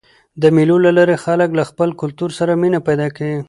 د مېلو له لاري خلک له خپل کلتور سره مینه پیدا کوي.